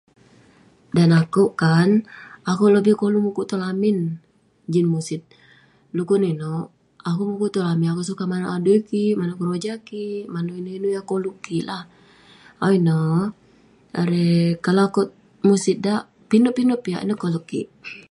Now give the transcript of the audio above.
Dan akouk kan, akouk lobih koluk mukuk tong lamin jin musit. Dekuk neh inouk? Akouk mukuk tong lamin, akouk sukat manouk adui kik, manouk keroja kik, manouk inouk-inouk yah koluk kik lah. Awu ineh, erei kalau akouk musit dak, pinek-pinek piak. Ineh koleg kik.